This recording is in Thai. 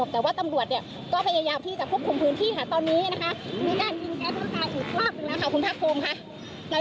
แต่ว่าตำรวจก็พยายามที่จะควบคุมพื้นที่ตอนนี้ด้านยิงแก๊สน้ำตาอีกมากขึ้นแล้วคุณทักภูมิ